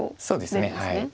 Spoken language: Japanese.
そうですね。